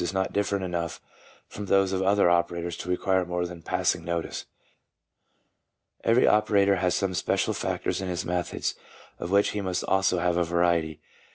341 is not different enough from those of other operators to require more than passing notice. Every operator has some special factors in his methods, of which he must also have a variety.